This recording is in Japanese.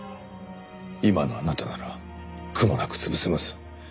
今のあなたなら苦もなく潰せます。